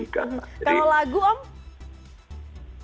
kalau lagu om